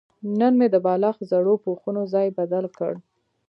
نن مې د بالښت زړو پوښونو ځای بدل کړ.